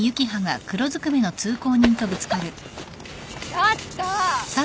ちょっと！